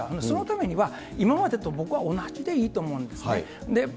そのためには、今までと僕は同じでいいと思うんですね。